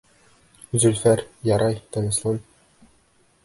Зөлфәр, ярай, тыныслан.